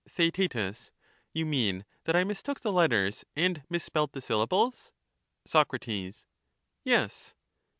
Theaet, You mean that I mistook the letters and misspelt the syllables ? Soc. Yes.